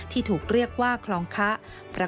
ที่ถูกเรียกว่าคลองคะ